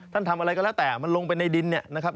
ท่านทำอะไรก็แล้วแต่มันลงไปในดินนะครับ